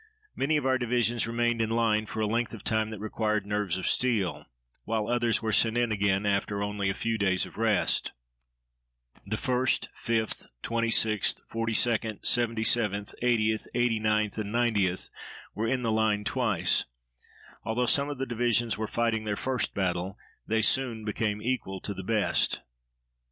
Many of our divisions remained in line for a length of time that required nerves of steel, while others were sent in again after only a few days of rest. The 1st, 5th, 26th, 42d, 77th, 80th, 89th, and 90th were in the line twice. Although some of the divisions were fighting their first battle, they soon became equal to the best.